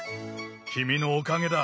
君のおかけだ。